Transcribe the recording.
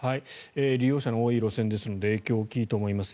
利用者の多い路線ですので影響は大きいと思います。